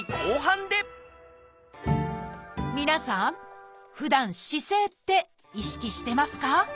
皆さんふだん姿勢って意識してますか？